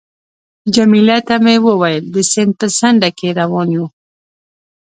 جميله ته مې وویل: د سیند په څنډه کې روان یو.